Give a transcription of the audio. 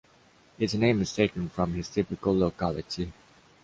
Its name is taken from his typical locality.